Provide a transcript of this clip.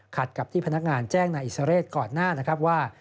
กับที่พนักงานแจ้งนายอิสเรศก่อนหน้านะครับว่า